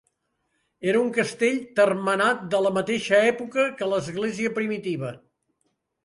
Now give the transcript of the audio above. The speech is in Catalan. Era un castell termenat de la mateixa època que l'església primitiva.